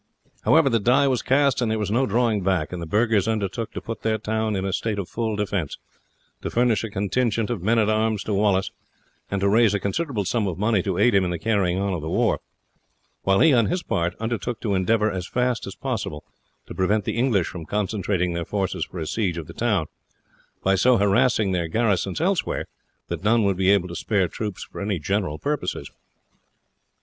However, the die was cast and there was no drawing back, and the burghers undertook to put their town in a state of full defence, to furnish a contingent of men at arms to Wallace, and to raise a considerable sum of money to aid him in the carrying on of the war; while he on his part undertook to endeavour, as fast as possible, to prevent the English from concentrating their forces for a siege of the town, by so harassing their garrisons elsewhere that none would be able to spare troops for any general purposes.